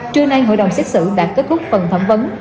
trưa nay hội đồng xét xử đã kết thúc phần thẩm vấn